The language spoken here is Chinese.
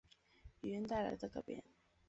语音带来的改变